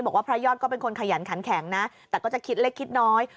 พระยอดก็เป็นคนขยันขันแข็งนะแต่ก็จะคิดเล็กคิดน้อย